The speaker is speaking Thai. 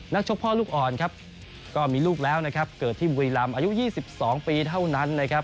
ชกพ่อลูกอ่อนครับก็มีลูกแล้วนะครับเกิดที่บุรีรำอายุ๒๒ปีเท่านั้นนะครับ